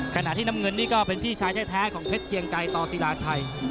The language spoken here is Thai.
ขณะที่น้ำเงินนี่ก็เป็นพี่ชายแท้ของเพชรเกียงไกรต่อศิลาชัย